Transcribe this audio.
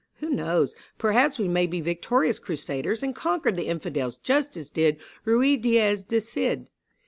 Who knows; perhaps we may be victorious crusaders and conquer the Infidels just as did Ruy Diaz the Cid.